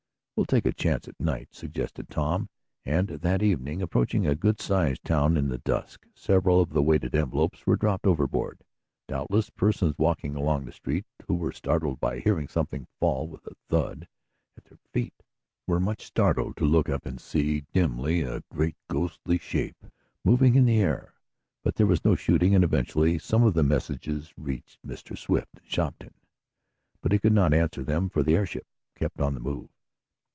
"We'll take a chance at night," suggested Tom, and that evening, approaching a good sized town in the dusk, several of the weighted envelopes were dropped overboard. Doubtless persons walking along the street, who were startled by hearing something fall with a "thud" at their feet, were much startled to look up and see, dimly, a great, ghostly shape moving in the air. But there was no shooting, and, eventually, some of the messages reached Mr. Swift, in Shopton. But he could not answer them for the airship kept on the move.